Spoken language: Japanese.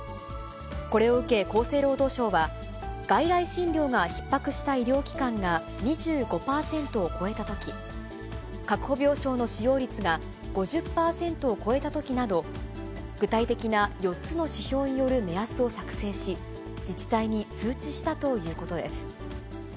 これを受け、厚生労働省は外来診療がひっ迫した医療機関が２５％を超えたとき、確保病床の使用率が５０％を超えたときなど、具体的な４つの指標による目安を作成し、自治体に通知したということです。